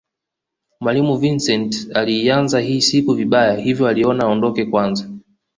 Mwalimu Vincent aliianza hii siku vibaya hivyo aliona aondoke kwanza